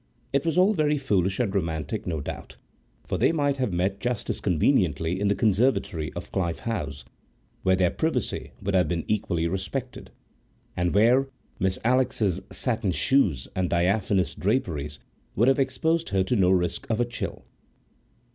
It was all very foolish and romantic, no doubt, for they might have met just as conveniently in the conservatory of Clyffe House, where their privacy would have been equally respected, and where Miss Alix's satin shoes and diaphanous draperies would have exposed her to no risk of a chill.